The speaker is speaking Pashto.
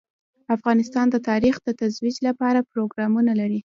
افغانستان د تاریخ د ترویج لپاره پروګرامونه لري.